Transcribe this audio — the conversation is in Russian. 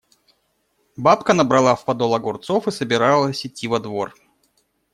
Бабка набрала в подол огурцов и собиралась идти во двор.